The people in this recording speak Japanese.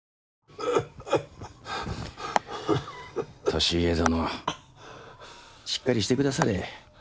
利家殿しっかりして下され。